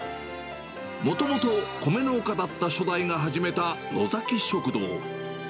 もともと米農家だった初代が始めたのざき食堂。